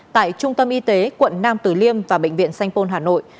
tại trung tâm y tế quận nam tử liêm và bệnh viện sanh pôn hà nội